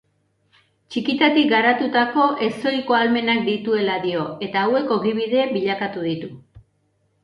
Txikitatik garatutako ezohiko ahalmenak dituela dio, eta hauek ogibide bilakatu ditu.